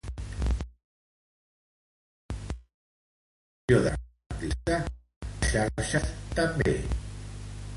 Les convencions de notació de seqüències solen aplicar-se a les xarxes també.